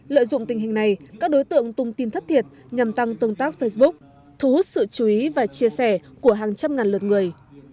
lợi dụng tình hình này các đối tượng tung tin thất thiệt nhằm tăng tương tác facebook thu hút sự chú ý và chia sẻ của hàng trăm ngàn lượt người